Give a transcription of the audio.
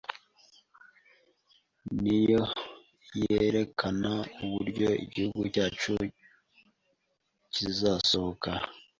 niyo yerekana uburyo igihugu cyacu kizasohoka